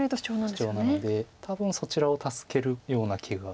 シチョウなので多分そちらを助けるような気がします。